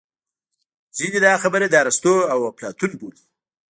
ځینې دا خبره د ارستو او اپلاتون بولي